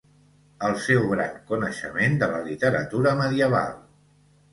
El seu gran coneixement de la literatura medieval